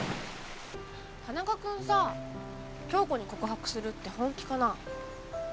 田中君さ響子に告白するって本気かな？